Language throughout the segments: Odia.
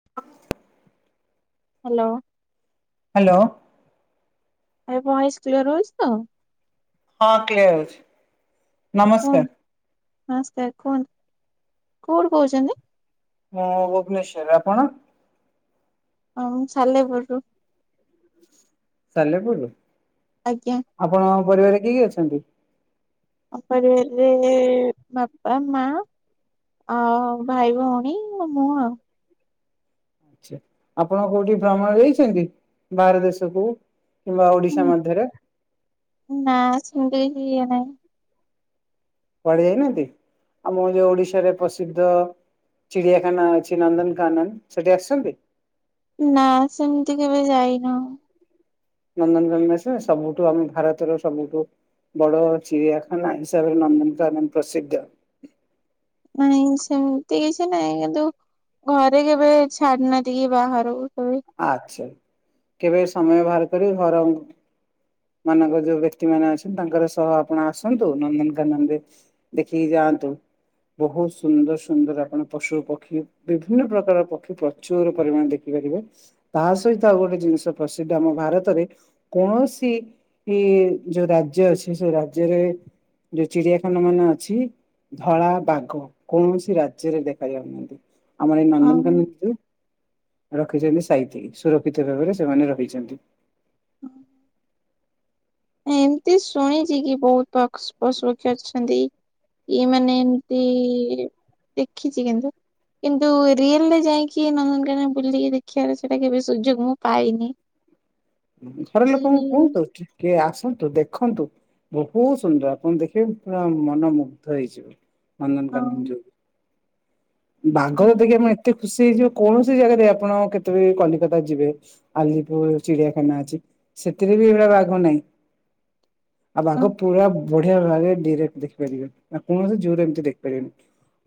[inaudible] ହ୍ୟାଲୋ। ହ୍ୟାଲୋ। ଭଏସ କ୍ଲିୟର ରହୁଛି ତ? ହଁ କ୍ଲିୟର ଅଛି। ନମସ୍କାର। କୁହନ୍ତୁ ନମସ୍କାର କୁହନ୍ତୁ କୋଉଠୁ କହୁଛନ୍ତି? ମୁଁ ଭୁବନେଶ୍ଵର ଆପଣ? ହଁ ମୁଁ ସାଲେପୁର ରୁ। ସାଲେପୁର ରୁ। ଆଜ୍ଞା। ଆପଣଙ୍କ ପରିବାରରେ କିଏ କିଏ ଅଛନ୍ତି? ଆମ ପରିବାର ରେ ବାପା ମାଆ ଆଉ ଭାଇ ଭଉଣୀ ମୁଁ ଆଉ। ଆଛା ଆପଣ କୋଉଠି ଭ୍ରମଣ ଯାଇଛନ୍ତି ବାହାର ଦେଶକୁୁ? କିମ୍ବା ଓଡିଶା ଉଁ, ମଧ୍ୟରେ? ନା ସେମିତି କିଛି ଇଏ ନାହିଁ। କୁଆଡ଼େ ଯାଇନାହାନ୍ତି ଆମର ଯୋଉ ଓଡିଶାରେ ପ୍ରସିଦ୍ଧ ଚିଡ଼ିଆଖାନା ଅଛି ନନ୍ଦନକାନନ ସେଠି ଆସିଛନ୍ତି? ନା ସେମିତି କେବେ ଯାଇନୁ। ନନ୍ଦନକାନନ ଆସିବ ସବୁଠୁ ଆମେ ଭାରତର ସବୁଠୁ ବଡ଼ ଚିଡ଼ିଆଖାନା ହିସାବରେ ନାମିତ ଏବଂ ପ୍ରସିଦ୍ଧ। ନାଇଁ ସେମିତି କିଛି ନାଇଁ କିନ୍ତୁ ଘରେ କେବେ ଛାଡ଼ି ନାହାନ୍ତି କି ବାହାରକୁ କେବେ। ଆଚ୍ଛା କେବେ ସମୟ ବାହାର କରିକରି ଘର ମାନଙ୍କ ଯୋଉ ବ୍ୟକ୍ତି ମାନେ ଅଛନ୍ତି ତାଙ୍କର ସହ ଆପଣ ଆସନ୍ତୁ ନନ୍ଦନକାନନରେ ଦେଖିକି ଯାଆନ୍ତୁ ବହୁତ ସୁନ୍ଦର ସୁନ୍ଦର ଆପଣ ପଶୁ ପକ୍ଷୀ ବିଭିନ୍ନ ପ୍ରକାର ପକ୍ଷୀ ପ୍ରଚୁର ପରିମାଣ ଦେଖିପାରିବେ। ତାହା ସହିତ ଆଉ ଗୋଟେ ଜିନିଷ ପ୍ରସିଦ୍ଧ ଆମ ଭାରତରେ। କୌଣସି ଇ ଯୋଉ ରାଜ୍ୟ ଅଛି ସେ ରାଜ୍ୟରେ ଯୋଉ ଚିଡ଼ିଆଖାନା ମାନ ଅଛି। ଧଳା ବାଘ କୌଣସି ରାଜ୍ୟରେ ଦେଖା ଯାଉନାହାନ୍ତି ଆମର ଏଇ ଅ, ନନ୍ଦନକାନନ ଭିତରେ ରଖିଛନ୍ତି ସାଇତିକି ସୁରକ୍ଷିତ ଭାବରେ ସେମାନେ ରହିଛନ୍ତି। ଏମତି ଶୁଣିଛି କି ବହୁତ ପକ୍ସ୍ ପଶୁ ପକ୍ଷୀ ଅଛନ୍ତି। ଇ ମାନେ ଏମିତି ଦେଖିଛି କିନ୍ତୁ। କିନ୍ତୁ ରିଅଲରେ ଯାଇକି ନନ୍ଦନକାନନ ବୁଲିକି ଦେଖିବାର ସେଇଟା କେବେ ସୁଯୋଗ ମୁଁ ପାଇନି। [inaudible] ଘର କି ଲୋକଙ୍କୁ କୁହନ୍ତୁ ଟିକେ ଆସନ୍ତୁ ଦେଖନ୍ତୁ। ବୋହୁତ ସୁନ୍ଦର ଆପଣ ଦେଖିବେ ପୁରା ମନ ମୁୁଗ୍ଧ ହେଇଯିବ। ହଁ ନନ୍ଦନକାନନ ଯୁ କୁ ଉଁ ବାଘ ହଁ। କୁ ଦେଖିବା ପାଇଁ ଏତେ ଖୁସି ହେଇଯିବେ କୌଣସି ଜାଗାରେ ଆପଣ କେତେବେଳେ କଲିକତା ଯିବେ ଆଲିପୁର ଚିଡ଼ିଆ ଖାନା ଅଛି ସେଥିରେ ବି ଏଭଳିଆ ବାଘ ନାହିଁ। ଆଉ ବାଘ ହଁ ପୁରା ବଢ଼ିଆ ଭାବେ ଡିରେକ୍ଟ ଦେଖିପାରିବେ ଆପଣ କୌଣସି ଯୁ ରେ ଏମିତି ଦେଖିପାରିବେନି।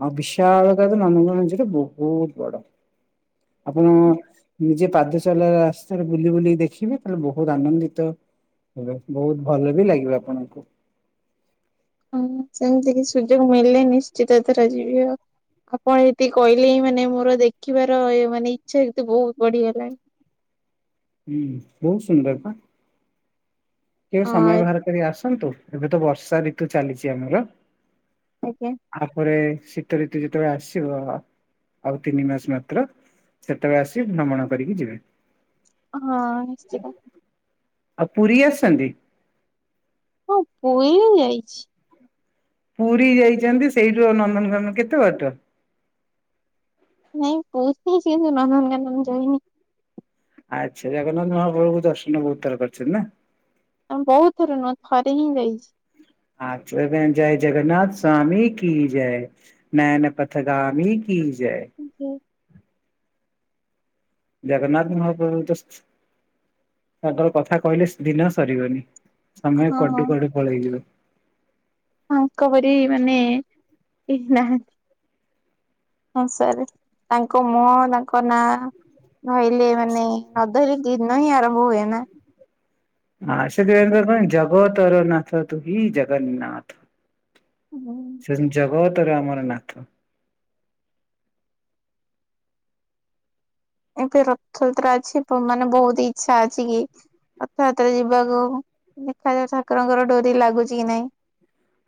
ଆଉ ବିଶାଳ [unintelligible] ନନ୍ଦନ ଯୁ ତ ବୋହୁତ ବଡ଼। ଆପଣ ନିଜେ ପାଦ ଚାଲା ରାସ୍ତାରେ ବୁଲି ବୁଲିକି ଦେଖି ଖିବେ ତାହେଲେ ବୋହୁତ ଆନନ୍ଦିତ ହେବେ ବହୁତ ଭଲ ବି ଲାଗିବ ଆପଣଙ୍କୁ। ହଁ ସେମିତି କି ସୁଯୋଗ ମିଳିଲେ ନିଶ୍ଚିତ ଏଥର ଯିବି ଆଉ। ଆପଣ ଯେତିକି କହିଲେ ହିଁ ମାନେ ମୋର ଦେଖିବାର ଏ ମାନେ ଇଚ୍ଛା ସେତେ ବୋହୁତ ବଢି଼ଗଲାଣି। ହୁଁ ବୋହୁତ ସୁନ୍ଦର ପା। କେବେ ସମୟ ହଁ ବାହାର କରି ଆସନ୍ତୁ ଏବେ ତ ବର୍ଷା ଋତୁ ଚାଲିଛି ଆମର। ଆଜ୍ଞା। ଆପରେ ଶୀତ ଋତୁ ଯେତେବେଳେ ଆସିବ ଆଉ ତିନି ମାସ ମାତ୍ର ସେତେବେଳେ ଆସି ଭ୍ରମଣ କରିକି ଯିବେ। ଅ ହଁ ନିଶ୍ଚିତ। ଆଉ ପୁରୀ ଆସିଛନ୍ତି? ହଁ ପୁରୀ ମୁଁ ଯାଇଛି। ପୁରୀ ଯାଇଛନ୍ତି ସେଇଠୁ ଆଉ ନନ୍ଦନକନ କେତେ ବାଟ? ନାଇଁ କହୁଛି ସେ ନନ୍ଦନକାନନ ଯାଇନି। ଆଚ୍ଛା [unintelligible] ମହାପ୍ରଭୁଙ୍କୁ ଦର୍ଶନକୁ ତାହେଲେ କରିଛନ୍ତି ନା ଆମେ ବହୁତ ଥର ନୁହଁ ଥରେ ହିଁ ଯାଇଛି। ଆଛା ଜୟ ଜଗନ୍ନାଥ ସ୍ୱାମୀ କି ଜୟ। ନୟନ ପଥଗାମି କି ଜୟ। କି। ଜଗନ୍ନାଥ ମହାପଭୁ ତ ତାଙ୍କର କଥା କହିଲେ ଦିନ ସରିବନି। ସମୟ ହଁ। କୁଆଡୁ କୁଆଡେ ପଳେଇଯିବ। ତାଙ୍କପରି ମାନେ ନାହାନ୍ତି। ସଂସାରେ ତାଙ୍କ ମୁହଁ ତାଙ୍କ ନା ଧହିଲେ ମାନେ ନ ଧଇଲେ ଦିନ ହିଁ ଆରମ୍ଭ ହୁଏ ନା। ହଁ [unintelligible] ଜଗ ତର ନାଥ ତୁ ହି ଜଗନ୍ନାଥ। ହୁଁ। ସେ ଜଗତରେ ଆମର ନାଥ। ଏବେ ରଥଯାତ୍ରା ଅଛି ମାନେ ବହୁତ ଇଛା ଅଛି କି ରଥଯାତରେ ଯିବାକୁ ଦେଖାଯାାଉ ଠାକୁରଙ୍କର ଡୋରି ଲାଗୁଛି କି ନାଇଁ।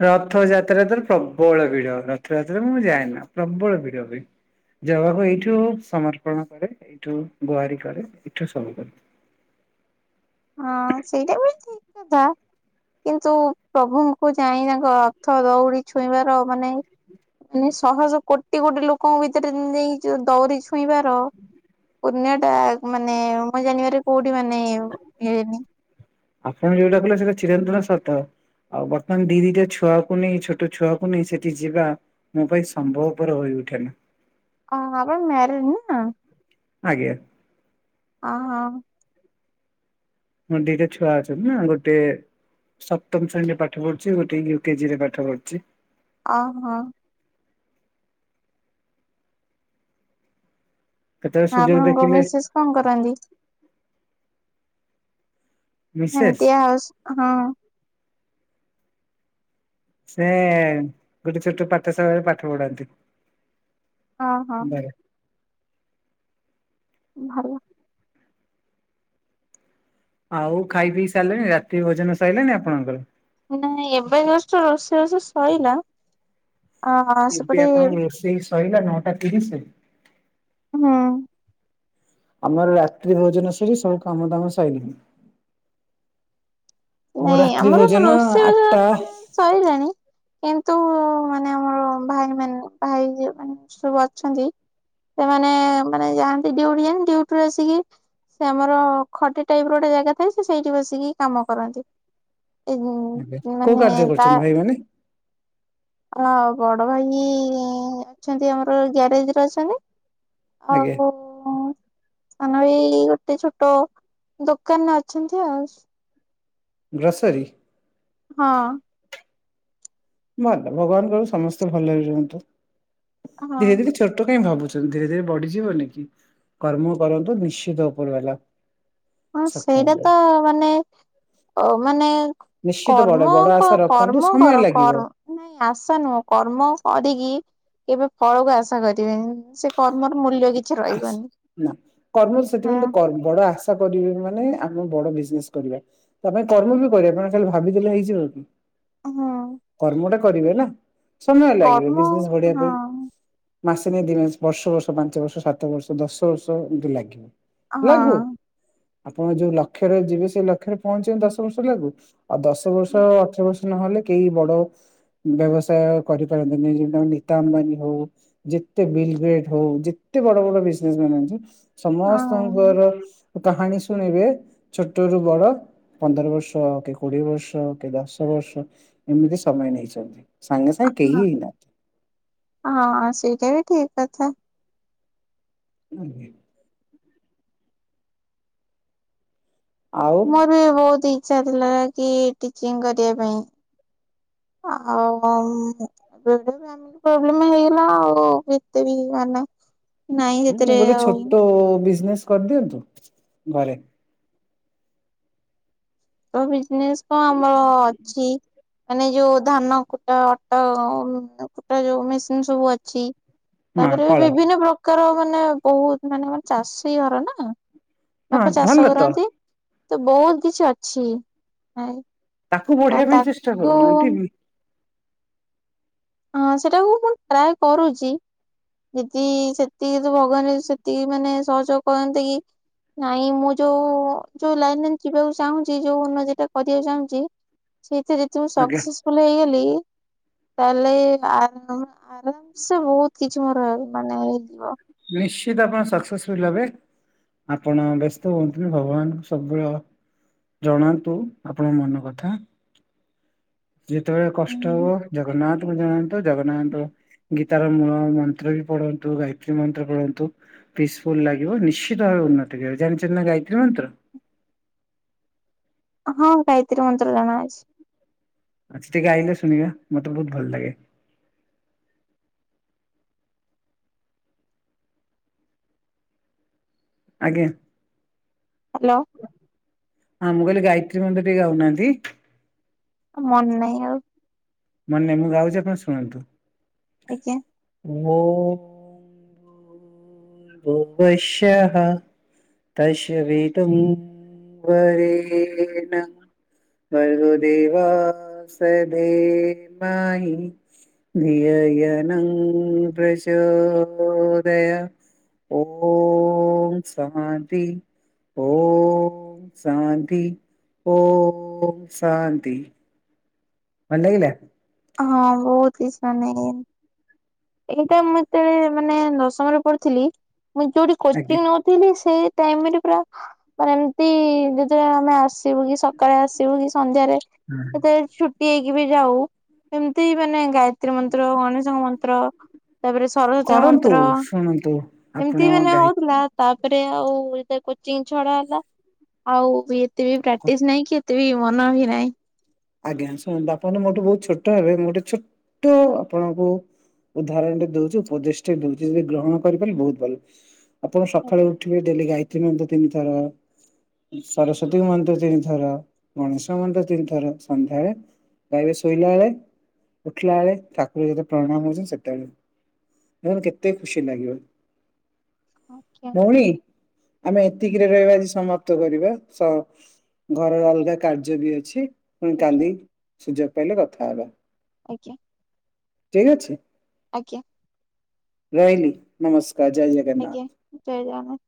ରଥଯାତ୍ରା ତାର ପ୍ରବଳ ଭିଡ ରଥଯାତ୍ରା ମୁଁ ଯାଏନା ପ୍ରବଳ ଭିଡ ହୁଏ। ଜଗାକୁ ଏଇଠୁ ସମର୍ପଣ କରେ। ଏଇଠୁ ଗୁହାରି କରେ ଏଇଠୁ ସବୁ କରେ। ହଁ ସେଇଟା ବି ଠିକ କଥା। କିନ୍ତୁ ପ୍ରଭୁଙ୍କୁ ଯାଇ ତାଙ୍କ ରଥ ଦଉଡି ଛୁଇଁବାର ମାନେ ମାନେ ଶହ ଶହ କୋଟି କୋଟି ଲୋକଙ୍କ ଭିତରେ ଯାଇକି ଦଉଡି ଛୁଇଁବାର ପୁଣ୍ୟ ଟା ମାନେ ମୁ ଜାଣିବାର କୋଉଠି ମାନେ ମିଳେନି। ଆପଣ ଯୋଉଟା କଲେ ସେଇଟା ଚିରନ୍ତନ ସତ। ଆଉ ବର୍ତ୍ତମାନ ଦି ଦିଟା ଛୁଆକୁ ନେଇ ଛୋଟ ଛୁଆକୁ ନେଇ ସେଠି ଯିବା ମୋ ପାଇଁ ସମ୍ଭବପର ହୋଇ ଉଠେ ନା। ଅ ଆପଣ ମ୍ୟାରେଡ୍ ନା? ଆଜ୍ଞା। ହ ହଁ। ମୋର ଦିଟା ଛୁଆ ଅଛନ୍ତି ନା ଗୋଟେ ସପ୍ତମ ଶ୍ରେଣୀରେ ପାଠ ପଢ଼ୁଛି ଗୋଟେ ୟୁକେଜିରେ ପାଠ ପଢୁଛି। ଓହୋ। କେତେବେଳେ ସୁଯୋଗ ଆପଣଙ୍କ ଦେଖିଲେ ମିସେସ୍ କଅଁ କରନ୍ତି? ମିସେସ୍ ଏମିତିଆ ଆଉ ହଁ। ସେ ଗୋଟେ ଛୋଟ ପାଠସାଳରେ ପାଠ ପଢାନ୍ତି। ହଁ ହଁ। ଘରେ। ଭଲ। ଆଉ ଖାଇ ପିଇ ସାରିଲେଣି ରାତି ଭୋଜନ ସାଇଲେଣିି ଆପଣଙ୍କର। ନାଇଁ ଏବେ ଜଷ୍ଟ ରୋଷେଇ ବାସ ସଇଲା ଆ ଏବେ ସେପଟେ ଆପଣଙ୍କ ରୋଷେଇ ସଇଲା ନଅଟା ତିରିଶରେ? ହଁ। ଆମର ରାତ୍ରି ଭୋଜନ ସରି ସବୁ କାମ ଦାମ ସଇଲୀଣି। ଆମ ନାଇଁ ରାତ୍ରି ଆମର ଭୋଜନ ରୋଷେଇବାସ ଆଠଟା। ମାନେ ସଇଲାଣି? କିନ୍ତୁ ମାନେ ଆମର ଭାଇ ମାନ ଭାଇ ମାନେ ସବୁ ଅଛନ୍ତି ସେମାନେ ମାନେ ଯାଆନ୍ତି [inaudible] ଯା ଡଟିୁ ଆସିକି ସେ ଆମର ଖଟି ଟାଇପ ର ଗୋଟେ ଜାଗା ଥାଏ ସେ ସେଇଠି ବସିକି କାମ କରନ୍ତି। କୋଉ ମାନେ କାର୍ଯ୍ୟ କରୁଛନ୍ତି ଭାଇମାନେ? ହଁ ବଡ ଭାଇ ଅଛନ୍ତି ଆମର ଗ୍ୟାରେଜ ରେ ଅଛନ୍ତି। ଆଜ୍ଞା [unintelligible] [inaudible] ଏଇ ଗୋଟେ ଛୋଟ ଦୋକାନରେ ଅଛନ୍ତି ଆଉ। ଗ୍ରୋସରି? ହଁ। ଭଲ ଭଗବାନଙ୍କ ସମସ୍ତେ ଭଲରେ ରୁହନ୍ତୁ ଧୀରେ ହଁ ଧୀରେ ଛୋଟ କାଇହିଁ ଭାବୁଛନ୍ତି ଧୀରେ ଧୀରେ ବଢିଯିବନି କର୍ମ କରନ୍ତୁ ନିଶ୍ଚିତ ଉପର ବାଲା ହଁ ସକ୍ଷମ ସେଇଟା ଦେବେ। ତ ମାନେ ଅ ମାନେ ନିଶ୍ଚିତ ବଡ କର୍ମ ବଡ କ ଆଶା ରଖନ୍ତୁ କର୍ମ ସମୟ କର ଲାଗିବ କର୍ମ ଆଶା ନୁହଁ କର୍ମ କରିକି କେବେ ଫଳକୁ ଆଶା କରିବେନି ସେ କର୍ମର ମୂଲ୍ୟ କିଛି ରହିବନି। କର୍ମ ହଁ। ସେଥିପାଇଁ ତ କର ବଡ ଆସ କରିବେନି ମାନେ ଆମେ ବଡ ବିଜନେସ କରିବା। ତା ପାଇଁ କର୍ମ ବି କରିବା ଖାଲି ଭାବିଦେଲେ ହେଇଯିବ କି? ହୁଁ। କର୍ମ ଟା କରିବେ ନା ସମୟ ଲାଗିବ କର୍ମ ବିଜନେସ ବଢିବା ହଁ ପାଇଁ। ମାସେ ନେଇ ଦ ବର୍ଷ ବର୍ଷ ପାଞ୍ଚ ବର୍ଷ ସାତ ବର୍ଷ ଦଶ ବର୍ଷ ଏମତି ଲାଗିବ ଲାଗୁ। ହଁ। ଆପଣ ଯୋଉ ଲକ୍ଷ୍ୟରେ ଯିବେ ସେଇ ଲକ୍ଷ୍ୟରେ ପହଞ୍ଚିବ ଦଶ ବର୍ଷ ଲାଗୁ। ଆଉ ଦଶ ବର୍ଷ ଅଠର ବର୍ଷ ନହେଲେ କେହି ବଡ ବ୍ୟବସାୟ କରିପାରନ୍ତିନି ଯେମିତି ଆମ ନୀତା ଅମ୍ବାନୀ ହଉ ଯେତେ ବିଲଗ୍ରେଟ ହଉ ଯେତେ ଏତେ ବଡ ବଡ ବିଜନେସ ମ ଅ ହଁ ସମସ୍ତଙ୍କର କାହାଣୀ ଶୁଣିବେ ଛୋଟରୁୁ ବଡ ପନ୍ଦର ବର୍ଷ କିଏ କୋଡିଏ ବର୍ଷ କିଏ ଦଶ ବର୍ଷ ଏମିତି ସମୟ ନେଇଛନ୍ତି। ସାଙ୍ଗେ ସାଙ୍ଗେ କେହି ନା ହଁ ସେଇଟା ବି ଠିକ କଥା। [unintelligible] ଆଉ ମୋର ବି ବହୁତ ଇଛା ଥିଲା କି ଟିଚିଂ କରିବା ପାଇଁ। ଆଉ ହଁ [inaudible] ପ୍ରବ୍ଲେମ୍ ହେଇଗଲା ଆଉ ଏତେ ବି ମାନେ ନାଇଁ ଆଉ ମୁଁ ସେଥିରେ ଗୋଟେ ଆଉ ଛୋଟ ବିଜନେସ କରିଦିଅନ୍ତୁ ଘରେ ତ ବିଜନେସ କଣ ଆମର ଅଛି। ମାନେ ଯୋଉ ଧାନ କୁଟା ଅଟା କୁଟା ଯୋଉ ମେସିନ ସବୁ ଅଛି। ହଁ ତାପରେ କଳ ବିଭିନ୍ନ ପ୍ରକାର ମାନେ ବହୁତ ମାନେ ମ ଚାଷୀ ଘର ନା। ହଁ ବାପା ଭଲ ଚାଷ ତ କରନ୍ତି ତ ବହୁତ କିଛି ଅଛି। ତାକୁ ତ ବଢେଇବା ପାଇଁ ଚେଷ୍ଟା ତାକୁ କରନ୍ତୁ। [inaudible] ହଁ ସେଟାକୁ ମୁଁ ଟ୍ରାଏ କରୁଚି। ଦିଦି ସେତିକି ତ ଭଗବାନ ସେତିକି ମାନେ ସହଯୋଗ କରନ୍ତି କି ନାଇଁ ମୁଁ ଯୋଉ ଯୋଉ ଲାଇନରେ ଯିବାକୁ ଚାହୁଁଛି ଯୋଉ ଉନ୍ନତି ଟା କରିବାକୁ ଚାହୁଁଚି ସେଇଥିରେ ଯଦି ମୁଁ ଆଜ୍ଞା ସକ୍ସେସଫୁଲ ହେଇଗଲି ଆରାମ ସେ ବହୁତ କିଛି ମୋର ମାନେ ହେଇଯିବ। ନିଶ୍ଚିତ ଆପଣ ସକ୍ସେସଫୁଲ ହେବେ। ଆପଣ ବ୍ୟସ୍ତ ହୁଅନ୍ତୁନି ଭଗବାନଙ୍କୁ ସବୁବେଳ ଜଣାନ୍ତୁ ଆପଣଙ୍କ ମନ କଥା। ଯେତେବେଳେ କଷ୍ଟ ହବ ଜଗନ୍ନାଥ ଜଣା ଜଗନ୍ନାଥ ଗୀତାର ମୂଳ ମନ୍ତ୍ର ବି ପଢନ୍ତୁ ଗାଇ ଗାୟତ୍ରୀ ମନ୍ତ୍ର ପଢ଼ନ୍ତୁ ପିସଫୁଲ ଲାଗିବ ନିଶ୍ଚିତ ଭାବେ ଉନ୍ନତି କରିବ ଜାଣିଛନ୍ତି ନା ଗାୟତ୍ରୀ ମନ୍ତ୍ର? ହଁ ଗାଇତ୍ରୀ ମନ୍ତ୍ର ଜଣା ଅଛି। ଆଛା ଟିକେ ଗାଇଲେ ଶୁଣିବା ମତେ ବହୁତ ଭଲ ଲାଗେ। ଆଜ୍ଞା। ହ୍ୟାଲୋ ହଁ ମୁଁ କହିଲି ଗାୟତ୍ରୀ ମନ୍ତ୍ର ଟିକେ ଗାଉନାହାନ୍ତି। ମନ ନାହିଁ ଆଉ। ମାନେ ନାଇଁ ମୁଁ ଗାଉଚି ଆପଣ ଶୁଣନ୍ତୁ। ଆଜ୍ଞା। ଓଁ ଭୁଵଃ ସ୍ୟାହା ତଶ ବିଦୁମ୍ ବରେନା ଭର୍ଗୋ ଦେବସ୍ୟ ଧିମହୀ ଧିୟୋୟୋନ୍ ପ୍ରଚୋଦୟା ଓଁ ସହାନ୍ତି। ଓଁମ୍ ଶାନ୍ତି ଓଁମ୍ ଶାନ୍ତି। ଭଲ ଲାଗିଲା? ହଁ ବହୁତ ଇଛା ନାଇଁ। ଏଇଟା ମୁଁ ଯେତେଳେ ମାନେ ଦଶମରେ ପଢିଥିଲି ମୁଁ ଯୋଉଠି ଆଜ୍ଞା କୋଚିଂ ନୋଉ ଥିଲି ସେ ଟାଇମର ପୁରା ମାନେ ଏମିତି ଯେତେବେଳେ ଆମେ ଆସିବୁ କି ସକାଳେ ଆସିବୁ କି ସନ୍ଧ୍ୟାରେ ସେତେଲେ ଛୁଟି ହେଇକି ବି ଯାଉ ଏମିତି ମାନେ ଗାୟତ୍ରୀ ମନ୍ତ୍ର ଗଣେଶଙ୍କ ମନ୍ତ୍ର ତାପରେ ସରସ୍ଵତୀ କରନ୍ତୁ ମନ୍ତ୍ର ଶୁଣନ୍ତୁ ଆପଣ ଏମିତି ମାନେ ଗାଇ ହଉଥିଲା ତାପରେ ଆଉ ଯେତେଲେ କୋଚିଂ ଛଡା ହେଲା ଆଉ ବି ଏତେ ବି ପ୍ରାକ୍ଟିସ ନାଇଁ କି ଏତେ ବି ମନ ବି ନାଇଁ। ଆଜ୍ଞା ଶୁଣନ୍ତୁ ଆପଣ ମୋଠୁ ବହୁତ ଛୋଟ ହେବେ ମୁଁ ଗୋଟେ ଛୋଟ ଆପଣଙ୍କୁ ଉଦାହରଣ ଟେ ଦଉଚି ଉପଦେଶ ଟେ ଦଉଚି ଯଦି ଗ୍ରହଣ କରିପାର ବହୁତ ଭଲ। ଆପଣ ସକାଳେ ଉଠିବେ ଡେଲି ଗାୟତ୍ରୀ ମନ୍ତ୍ର ତିନିଥର ସରସ୍ଵତୀଙ୍କ ମନ୍ତ୍ର ତିନି ଥର ଗଣେଶଙ୍କ ମନ୍ତ୍ର ତିନିଥର ସନ୍ଧ୍ୟାବେଳେ ଗାଇବେ ଶୋଇଲା ବେଳେ ଉଠିଲା ବେଳେ ଠାକୁର ଯେତେ ପ୍ରଣାମ ହଉଛନ୍ତି ସେତେବେଳେ। ଧର କେତେ ଖୁସି ଲାଗିବ ଆଜ୍ଞା ଭଉଣୀ? ଆମେ ଏତିକିରେ ରହିବା ଆଜି ସମାପ୍ତ କରିବା ସ ଘରର ଅଲଗା କାର୍ଯ୍ୟ ବି ଅଛି। ପୁଣି ଆଜ୍ଞା କାଲି ସୁଯୋଗ ପାଇଲେ କଥା ହବା। ଆଜ୍ଞା। ଠିକ୍ ଅଛି। ଆଜ୍ଞା। ରହିଲି ନମସ୍କାର ଜୟ ଜଗ ଆଜ୍ଞା ଜୟ ଜଗନ୍ନାଥ।